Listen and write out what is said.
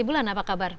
ibu lana apa kabar